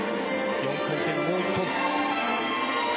４回転、もう１個。